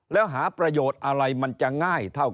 แล้วหาประโยชน์อะไรมันจะง่ายเท่า